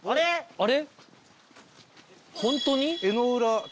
あれ？